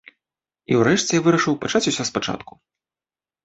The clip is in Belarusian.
І ўрэшце я вырашыў пачаць усё спачатку.